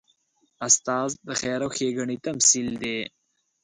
استاد د خیر او ښېګڼې تمثیل دی.